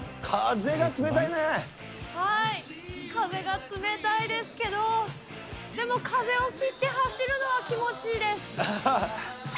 風が冷たいですけど、でも風を切って走るのは気持ちいいです。